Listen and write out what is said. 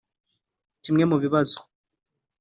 Kimwe mu bibazo